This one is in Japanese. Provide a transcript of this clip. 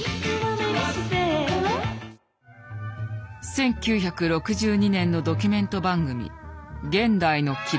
１９６２年のドキュメント番組「現代の記録」。